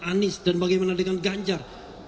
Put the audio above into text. anies dan bagaimana dengan ganjar